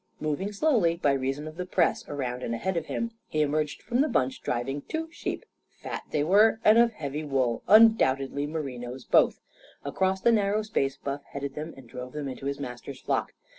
Moving slowly, by reason of the press around and ahead of him, he emerged from the bunch, driving two sheep. Fat they were and of heavy wool, undoubted merinos both. Across the narrow space Buff headed them and drove them into his master's flock.